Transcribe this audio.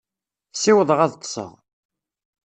Ssiwḍeɣ ad ṭṭseɣ.